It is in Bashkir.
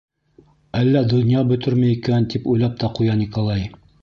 Әллә донъя бөтөрмө икән, тип уйлап та ҡуя Николай.